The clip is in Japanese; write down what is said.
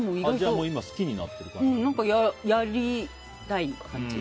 何かやりたい感じ。